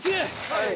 はい！